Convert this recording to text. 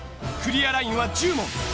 クリアラインは１０問。